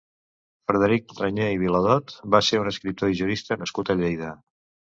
Frederic Renyé i Viladot va ser un escriptor i jurista nascut a Lleida.